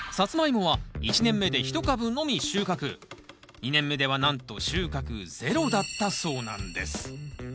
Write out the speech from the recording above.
２年目ではなんと収穫ゼロだったそうなんです。